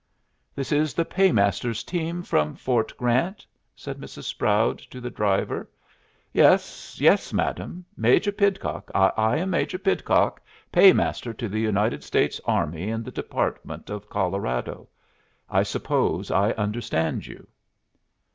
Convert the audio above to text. "This is the Paymaster's team from Fort Grant?" said Mrs. Sproud to the driver. "Yes, yes, madam. Major Pidcock I am Major Pidcock, Paymaster to the United States army in the Department of Colorado. I suppose I understand you."